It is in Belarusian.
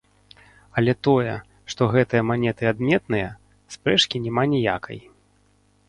Але тое, што гэтыя манеты адметныя, спрэчкі няма ніякай.